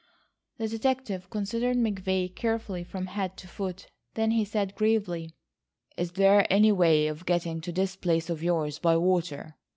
The detective considered McVay carefully from head to foot. Then he said gravely: "Is there any way of getting to this place of yours by water?